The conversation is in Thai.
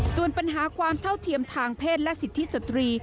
ส่วนปัญหาความเท่าเทียมทางเพศและสิทธิสตรี